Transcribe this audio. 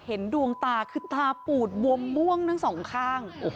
เห็นดวงตาคือตาปูดบวมม่วงทั้งสองข้าง